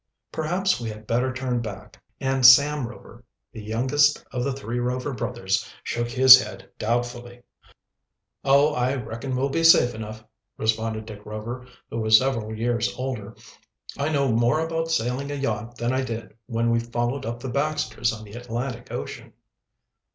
"Perhaps we had better turn back," and Sam Rover, the youngest of the three Rover brothers, shook his head doubtfully. "Oh, I reckon we'll be safe enough," responded Dick Rover, who was several years older. "I know more about sailing a yacht than I did when we followed up the Baxters on the Atlantic Ocean."